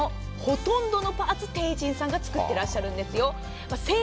ほとんどのパーツ帝人さんが作ってらっしゃるんですよ。